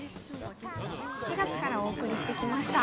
４月からお送りしてきました